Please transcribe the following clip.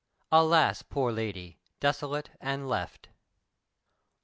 "Alas, poor Lady, desolate and left!"